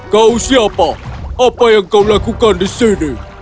kau siapa apa yang kau lakukan di sini